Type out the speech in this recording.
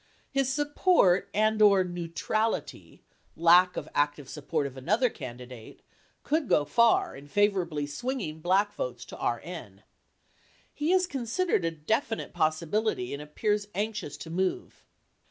His support and/or "neutrality" (lack of active support of another candidate) could go far in favorably swinging black votes to RN. He is considered a definite possibility and appears anxious to move.